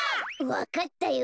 わかったよ。